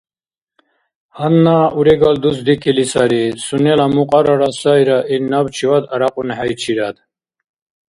Гьанна урегал дус дикили сари, сунела мукьарара сайра, ил набчивад арякьунхӀейчирад.